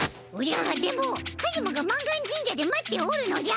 カズマが満願神社で待っておるのじゃ。